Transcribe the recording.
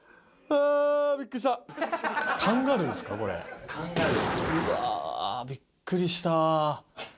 うわー、びっくりした。